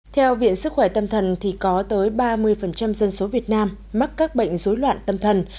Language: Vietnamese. theo viện sức khỏe tâm thần thì có tới ba mươi dân số việt nam mắc các bệnh dối loạn tâm thần